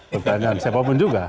pertanyaan siapapun juga